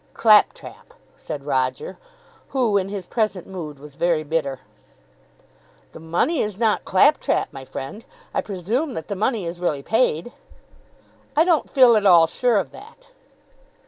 "Clap trap!" said Roger, who in his present mood was very bitter. "The money is not clap trap, my friend. I presume that the money is really paid." "I don't feel at all sure of that."